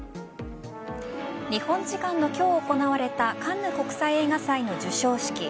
日本時間の今日行われたカンヌ国際映画祭の授賞式。